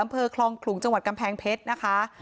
อำเภอคลองขลุงจังหวัดกำแพงเพชรนะคะ